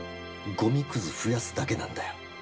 ゴミクズ増やすだけなんだよ。